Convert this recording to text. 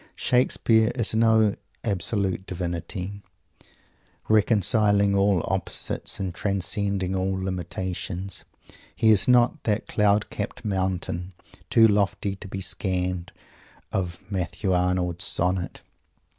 Shakespeare is no Absolute Divinity, reconciling all oppositions and transcending all limitations. He is not that "cloud capped mountain," too lofty to be scanned, of Matthew Arnold's Sonnet.